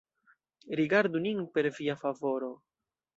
Rigardu nin per Via favoro.